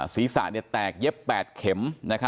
ศีรษะแตกเย็บ๘เข็ม